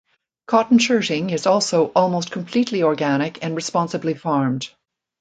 Cotton shirting is also almost completely organic and responsibly farmed.